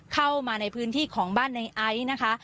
เข้ามาในพื้นที่ของบ้านในไอซ์นะคะ